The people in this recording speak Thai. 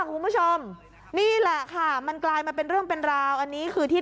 ค่ะคุณผู้ชมนี่แหละค่ะมันกลายมาเป็นเต็มดอลอันนี้คือที่